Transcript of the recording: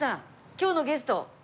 今日のゲスト。